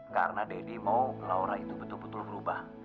karena daddy mau laura itu betul betul berubah